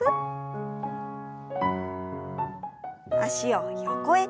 脚を横へ。